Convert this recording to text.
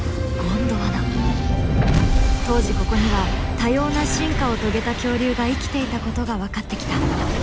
当時ここには多様な進化を遂げた恐竜が生きていたことが分かってきた。